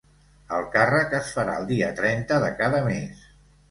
El càrrec es farà el dia trenta de cada mes.